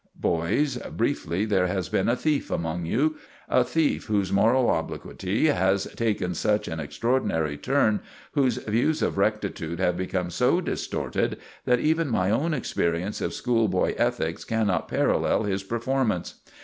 Boys, briefly there has been a thief among you a thief whose moral obliquity has taken such an extraordinary turn, whose views of rectitude have become so distorted, that even my own experience of school boy ethics cannot parallel his performance.